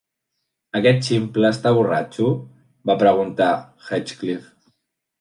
"Aquest ximple està borratxo?", va preguntar Heathcliff.